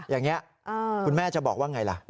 อย่างนี้คุณแม่จะบอกว่าไงล่ะ